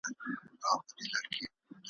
په کوهي کي پر اوزګړي باندي ویر سو ,